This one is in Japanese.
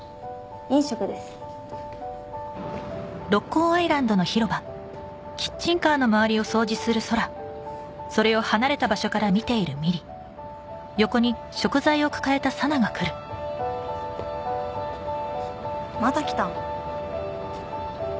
飲食ですまた来たん？